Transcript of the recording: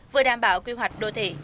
vừa đảm bảo quy hoạch đô thị